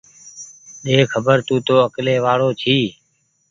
ڏي خبر تونٚ تو اڪلي وآڙو جي